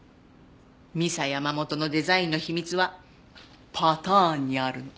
ミサヤマモトのデザインの秘密はパターンにあるの。